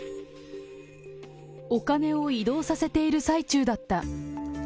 お金を移動させている最中だった。